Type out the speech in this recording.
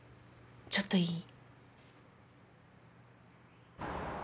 ちょっといい？